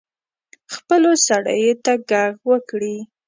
خپلو سړیو ته ږغ وکړي.